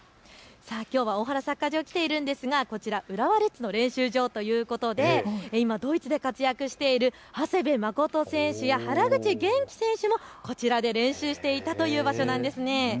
きょうは大原サッカー場に来ているんですがこちら、浦和レッズの練習場ということで今、ドイツで活躍している長谷部誠選手、原口元気選手も練習していたということなんです。